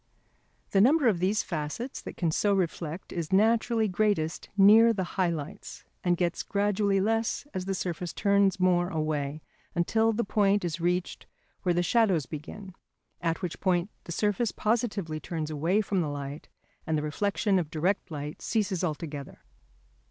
The number of these facets that can so reflect is naturally greatest near the high lights, and gets gradually less as the surface turns more away; until the point is reached where the shadows begin, at which point the surface positively turns away from the light and the reflection of direct light ceases altogether.